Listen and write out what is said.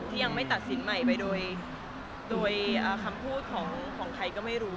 ยังไม่ตัดสินใหม่ไปโดยคำพูดของใครก็ไม่รู้